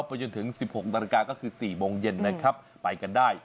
ไปจนถึง๑๖นาฬิกาก็คือ๔โมงเย็นนะครับไปกันได้